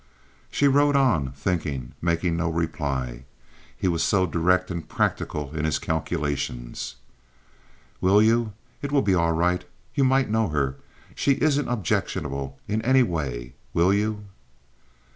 She rode on, thinking, making no reply. He was so direct and practical in his calculations. "Will you? It will be all right. You might know her. She isn't objectionable in any way. Will you?"